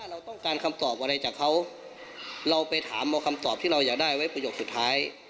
เราต้องการคำตอบอะไรจากเขาเราไปถามเอาคำตอบที่เราอยากได้ไว้ประโยคสุดท้าย